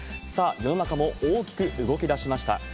さあ、世の中も大きく動きだしました。